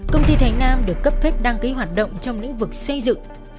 công ty thành nam được cấp phép đăng ký hoạt động trong lĩnh vực xây dựng